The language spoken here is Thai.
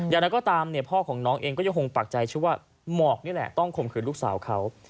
อย่างนั้นก็ตามพ่อของน้องเองก็ยังคงปักใจชื่อว่าหมอกนี่แหละต้องข่มขืนลูกสาวเขา